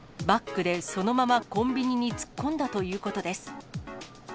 バックで、そのままコンビニに突っ込んだということです。